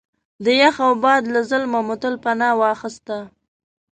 د یخ او باد له ظلمه مو هلته پناه واخسته.